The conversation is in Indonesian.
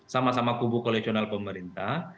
sama sama kubu koleksional pemerintah